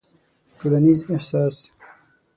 ټولنيز احساس